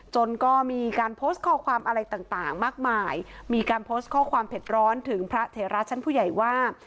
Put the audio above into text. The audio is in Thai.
จนก็มีการโพสต์ข้อความอะไรต่างมากมายมีการโพสต์ข้อความเผ็ดร้อนถึงพระเถระชั้นผู้ใหญ่ว่า